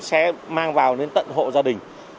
sẽ mang vào đến tận hộ gia đình